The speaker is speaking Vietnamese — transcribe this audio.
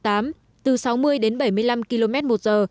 từ sáu mươi đến bảy mươi năm km một giờ